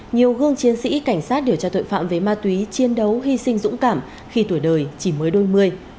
nhiều gương chiến sĩ cảnh sát điều tra tội phạm về ma túy chiến đấu hy sinh dũng cảm khi tuổi đời chỉ mới đôi mươi